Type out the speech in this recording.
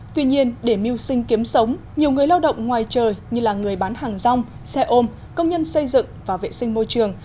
tuy nhiên để mưu sinh kiếm sống nhiều người lao động ngoài trời như là người bán hàng rong xe ôm công nhân xây dựng và vệ sinh môi trường